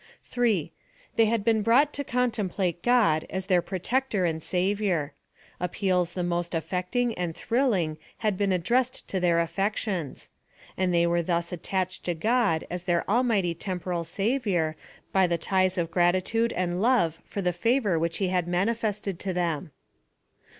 3. They had been brought to contemplate God as their Protector and Savior. Appeals the most affectinof and thrilling^ had been addressed to their affections ; and they were thus attached to God as their Almighty temporal Savior, by the ties of grati tude and love for the favor which he had manifest ed to them.